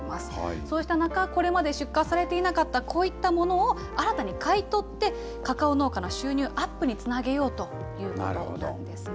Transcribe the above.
そうした中、これまで出荷されていなかったこういったものを新たに買い取って、カカオ農家の収入アップにつなげようということなんですね。